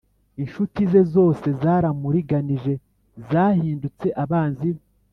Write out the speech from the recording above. Incuti ze zose zaramuriganije, Zahindutse abanzi be.